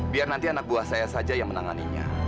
biar nanti anak buah saya saja yang menanganinya